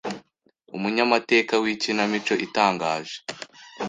umunyamateka w'ikinamico itangaje